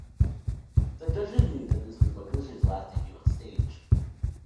The Judges knew that this was McLish's last debut on stage.